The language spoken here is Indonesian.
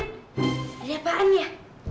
ada apaan ya